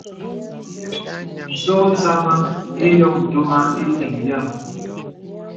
Zō zàmā ìyōŋ duma īŋìŋ yàm.